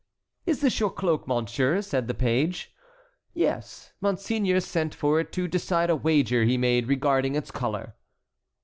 "Is this your cloak, monsieur?" said the page. "Yes; monseigneur sent for it to decide a wager he made regarding its color."